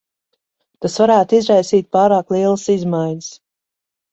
Tas varētu izraisīt pārāk lielas izmaiņas.